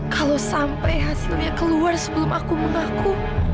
kalau sampai hasilnya keluar sebelum aku mengaku